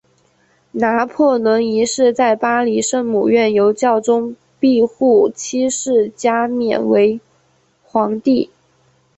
拿破仑一世在巴黎圣母院由教宗庇护七世加冕为皇帝。